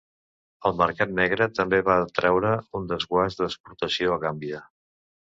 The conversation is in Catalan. El mercat negre també va atraure un desguàs d'exportació a Gàmbia.